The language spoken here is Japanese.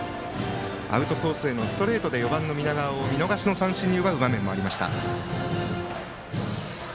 アウトコースへのストレートで４番、南川を見逃しの三振に奪う場面がありました。